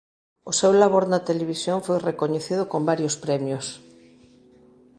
O seu labor na televisión foi recoñecido con varios premios.